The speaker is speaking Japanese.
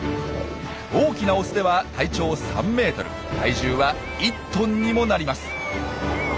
大きなオスでは体長３ｍ体重は１ｔにもなります。